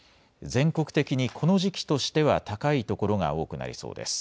全国的にこの時期としては高い所が多くなりそうです。